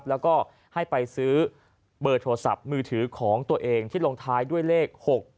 แล้วก็ให้ไปซื้อเบอร์โทรศัพท์มือถือของตัวเองที่ลงท้ายด้วยเลข๖๗